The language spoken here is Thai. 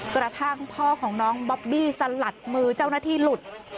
กระทั่งพ่อของน้องบอบบี้สลัดมือเจ้าหน้าที่หลุด